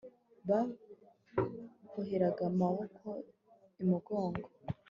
baboheraga amaboko imugongo